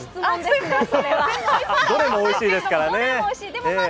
どれもおいしいですからね。